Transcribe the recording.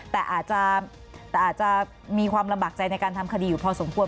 แต่อาจจะมีความลำบากใจในการทำคดีอยู่พอสมควร